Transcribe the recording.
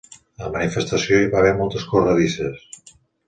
A la manifestació hi va haver moltes corredisses.